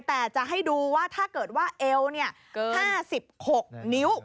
แต่จะให้ดูว่าถ้าเกิดว่าเอว๕๖นิ้ว